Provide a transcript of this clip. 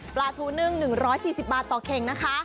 ปลาทูนึ่ง๑๔๐บาทต่อเข่งนะคะ